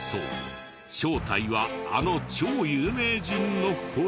正体はあの超有名人の声？